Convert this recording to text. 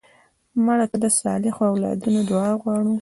مړه ته د صالحو اولادونو دعا غواړو